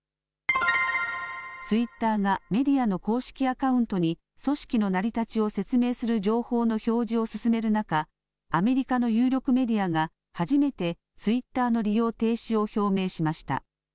ツイッターがメディアの公式アカウントに組織の成り立ちを説明する情報の表示を進める中、アメリカの有力メディアが初めてツイッターの利用停止を表明しました。